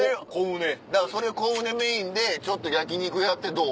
だからそれコウネメインでちょっと焼肉屋ってどう？